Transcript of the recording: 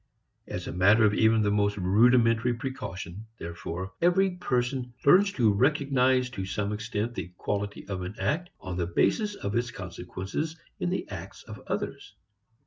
As a matter of even the most rudimentary precaution, therefore, every person learns to recognize to some extent the quality of an act on the basis of its consequences in the acts of others.